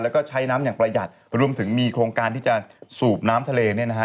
แล้วก็ใช้น้ำอย่างประหยัดรวมถึงมีโครงการที่จะสูบน้ำทะเลเนี่ยนะฮะ